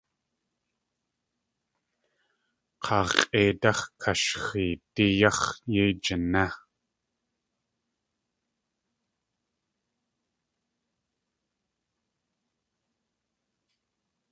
K̲aa x̲ʼéidáx̲ kashxeedí yáx̲ yéi jiné.